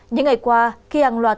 những ngày qua khi hàng loạt